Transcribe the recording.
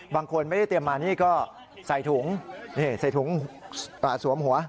บางคนไม่ได้เตรียมมานี่ก็ใส่ถุงใส่ถุงสวมหัว